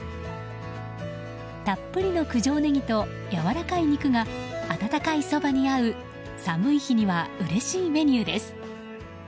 たっぷりの九条ネギとやわらかい肉が温かいそばに合う寒い日にはうれしいメニューです。